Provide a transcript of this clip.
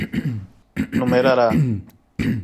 numerará